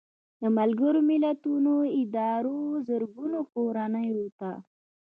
د ملګرو ملتونو ادارو زرګونو کورنیو ته